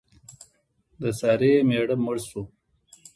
د سارې مېړه مړ شو.